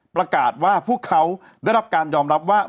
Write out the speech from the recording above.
ประกาศว่าพวกเขาได้รับการยอมรับว่า